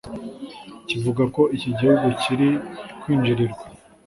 kivuga ko iki gihugu kiri kwinjirirwa